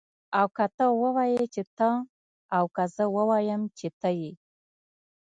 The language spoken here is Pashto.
او که ته ووايي چې ته او که زه ووایم چه ته يې